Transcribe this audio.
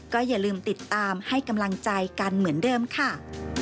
ก็อย่าลืมติดตามให้กำลังใจกันเหมือนเดิมค่ะ